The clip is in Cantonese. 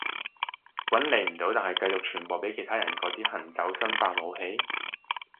搵你唔到但係繼續傳播畀其他人嗰啲行走生化武器？